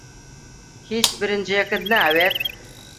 هیچ برنجێکت ناوێت؟